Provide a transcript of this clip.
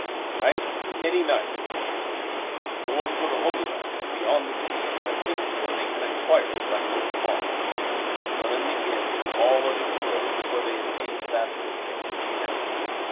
"I see many knights," he said, "going to the Holy Land beyond the seas and thinking that they can acquire it by force of arms; but in the end all are destroyed before they attain that which they think to have.